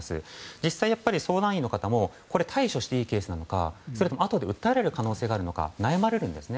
実際、相談員の方も対処していいケースなのかそれとも、あとで訴えられるケースがあるのか悩まれるんですね。